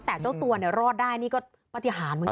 แต่เจ้าตัวเนี่ยรอดได้นี่ก็ปฏิหารเหมือนกัน